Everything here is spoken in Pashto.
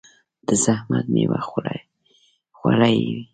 د زحمت میوه خوږه وي.